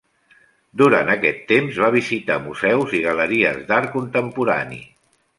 Durant aquest temps va visitar museus i galeries d'art contemporani.